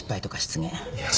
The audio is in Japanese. いや。